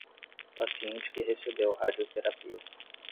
Paciente que recebeu radioterapia